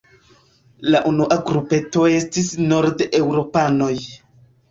La unua grupeto estis nordeŭropanoj.